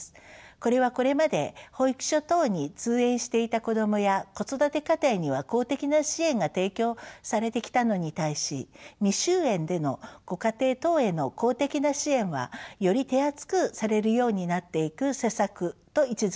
これはこれまで保育所等に通園していた子どもや子育て家庭には公的な支援が提供されてきたのに対し未就園でのご家庭等への公的な支援はより手厚くされるようになっていく施策と位置づけられます。